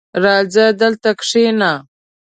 راځه دلته کښېنه!